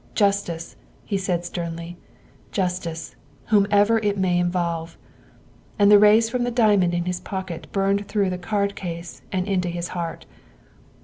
"Justice," he said sternly, " justice, whomever it may involve. '' And the rays from the diamond in his pocket burned through the card case and into his heart.